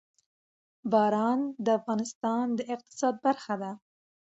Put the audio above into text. باران د افغانستان د اقتصاد برخه ده.